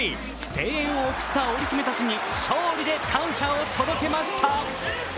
声援を送ったオリ姫たちに勝利で感謝を伝えました。